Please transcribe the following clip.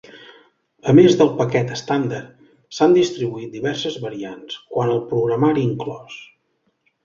A més del paquet estàndard, s'han distribuït diverses variants quant al programari inclòs.